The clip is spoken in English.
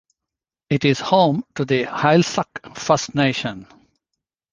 It is home to the Heiltsuk First Nation.